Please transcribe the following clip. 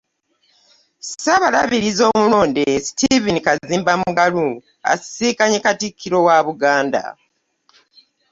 Ssaabalabirizi omulonde Stephen Kazimba Mugalu asisinkanye Katikkiro wa Buganda